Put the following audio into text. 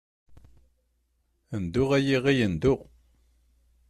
Ndu ay iɣi ndu.